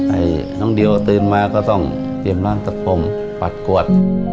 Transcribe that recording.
ไอ้น้องดิวตื่นมาก็ต้องเตรียมร้านตัดผมปัดกวด